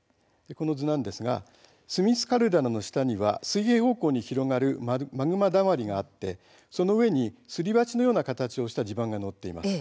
それによりますと須美寿カルデラの下には水平方向に広がるマグマだまりがあってその上にすり鉢のような形をした地盤が載っています。